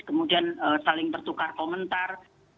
kemudian saling bertukar komentar